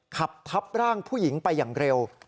ขับทับร่างผู้หญิงไปอย่างเร็ว